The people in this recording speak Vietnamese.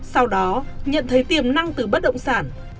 sau đó nhận thấy tiềm năng từ bất động sản